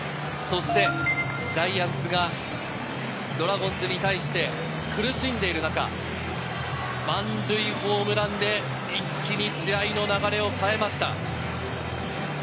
そしてジャイアンツがドラゴンズに対して苦しんでいる中、満塁ホームランで一気に試合の流れを変えました。